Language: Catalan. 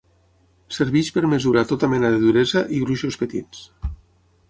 Serveix per mesurar tota mena de duresa, i gruixos petits.